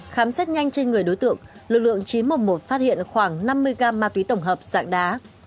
khám xét nhanh trên người đối tượng lực lượng chín trăm một mươi một phát hiện khoảng năm mươi gram ma túy tổng hợp dạng đá